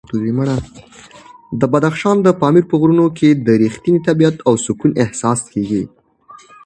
د بدخشان د پامیر په غرونو کې د رښتیني طبیعت او سکون احساس کېږي.